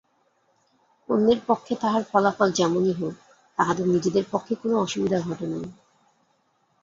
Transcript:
অন্যের পক্ষে তাহার ফলাফল যেমনই হউক, তাহাদের নিজেদের পক্ষে কোনো অসুবিধা ঘটে নাই।